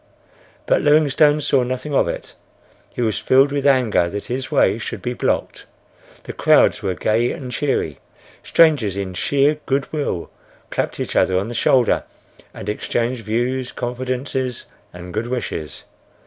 But Livingstone saw nothing of it. He was filled with anger that his way should be blocked. The crowds were gay and cheery. Strangers in sheer good will clapped each other on the shoulder and exchanged views, confidences and good wishes.